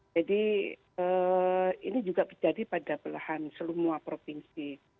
jadi ini juga terjadi pada belahan selumua provinsi